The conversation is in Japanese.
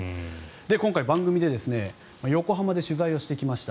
今回、番組で横浜で取材をしてきました。